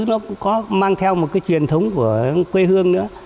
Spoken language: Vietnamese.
nó cũng có mang theo một cái truyền thống của quê hương nữa